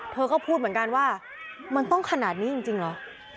เธอก็พูดเหมือนกันว่ามันต้องขนาดนี้จริงเหรอ